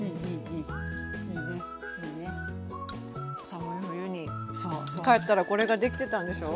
寒い冬に帰ったらこれができてたんでしょ？